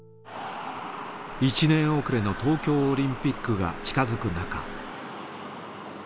１年遅れの東京オリンピックが近づく中。